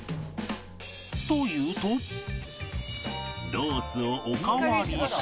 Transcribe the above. と言うとロースをお代わりし